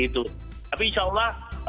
tapi insya allah